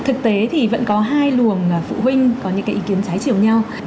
thực tế thì vẫn có hai luồng phụ huynh có những cái ý kiến trái chiều nhau